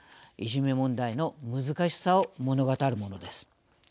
いじめ問題の難しさを物語るものです。